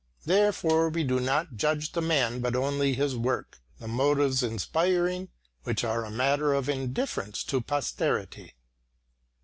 Therefore we do not judge the man but only his work, the motives inspiring which are a matter of indifference to posterity.